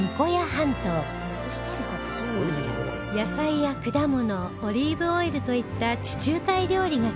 野菜や果物オリーブオイルといった地中海料理が中心の